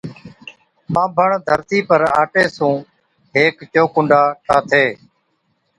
ٻانڀڻ ڌرتِي پر آٽي سُون ھيڪ چوڪُنڊا ٺاهٿِي